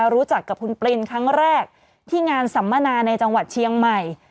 รู้จักกับคุณปรินครั้งแรกที่งานสัมมนาในจังหวัดเชียงใหม่